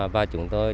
và chúng tôi